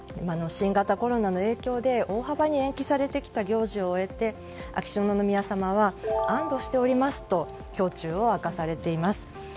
新型コロナの影響で大幅に延期されてきた行事を終えて秋篠宮さまは安堵しておりますと胸中を明かされています。